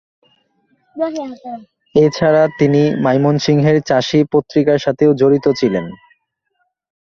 এ ছাড়া তিনি ময়মনসিংহের চাষী পত্রিকার সাথেও জড়িত ছিলেন।